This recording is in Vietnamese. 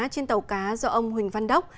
trên tàu cá do ông huỳnh văn đốc